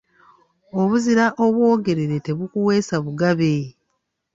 Obuzira obwogerere, tebukuweesa bugabe.